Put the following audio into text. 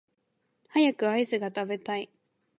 早くアイスが食べたい